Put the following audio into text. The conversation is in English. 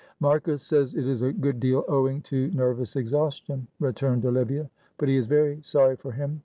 "Marcus says it is a good deal owing to nervous exhaustion," returned Olivia; "but he is very sorry for him.